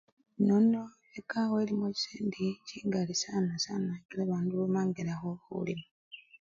Nono ekawa elimo chisendi chingali sana sana kila bandu bamangila khulima.